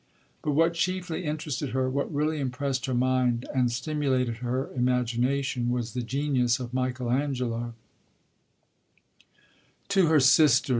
But what chiefly interested her, what really impressed her mind and stimulated her imagination, was the genius of Michael Angelo: (_To her Sister.